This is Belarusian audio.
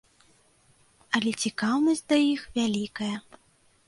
Але цікаўнасць да іх вялікая.